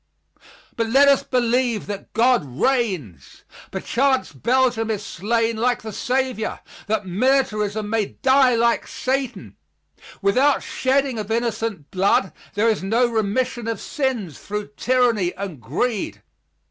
But let us believe that God reigns. Perchance Belgium is slain like the Saviour, that militarism may die like Satan. Without shedding of innocent blood there is no remission of sins through tyranny and greed.